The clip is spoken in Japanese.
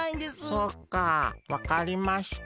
そうかわかりました。